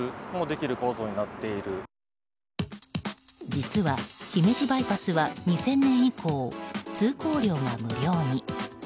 実は姫路バイパスは２０００年以降通行料が無料に。